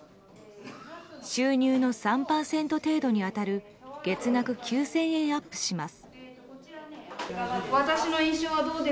収入の３％程度に当たる月額９０００円アップします。